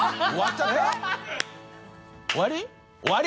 ┐叩終わり？